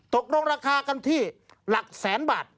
ตกลงราคากันที่หลักแสนบาท